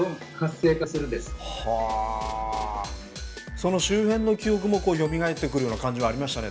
その周辺の記憶もよみがえってくるような感じはありましたね